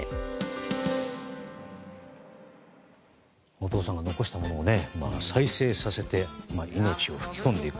お父様が残したものを今、再生させて命を吹き込んでいく。